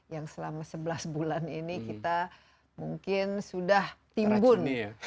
yang selama sebelas bulan ini kita mungkin sudah timbun